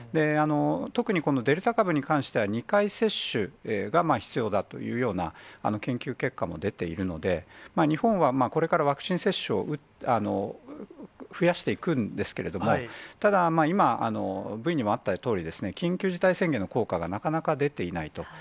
特に、このデルタ株に関しては、２回接種が必要だというような研究結果も出ているので、日本はこれからワクチン接種を増やしていくんですけれども、ただ、今、Ｖにもあったとおり、緊急事態宣言の効果がなかなか出ていないと。